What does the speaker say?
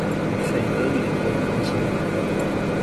水河里活動中心